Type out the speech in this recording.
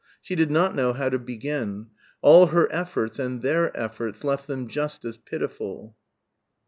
She did not know how to begin. All her efforts and their efforts left them just as pitiful.